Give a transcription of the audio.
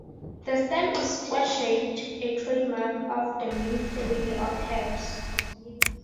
The stem is square-shaped, a trademark of the mint family of herbs.